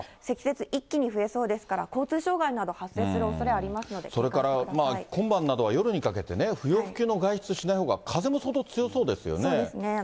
積雪一気に増えそうですから、交通障害など発生するおそれありますので、それから、まあ今晩などは、夜にかけてね、不要不急の外出しないほうが、そうですね。